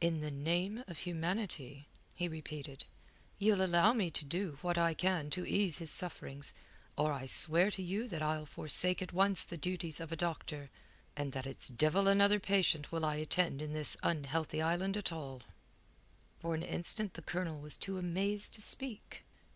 "In the name of humanity," he repeated, "ye'll allow me to do what I can to ease his sufferings, or I swear to you that I'll forsake at once the duties of a doctor, and that it's devil another patient will I attend in this unhealthy island at all." For an instant the Colonel was too amazed to speak.